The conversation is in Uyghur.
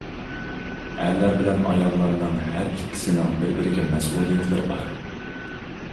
ئەرلەر بىلەن ئاياللارنىڭ ھەر ئىككىسىنىڭ بىر-بىرىگە مەسئۇلىيەتلىرى بار.